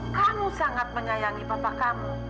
kamu sangat menyayangi bapak kamu